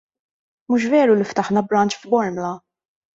Mhux veru li ftaħna branch f'Bormla?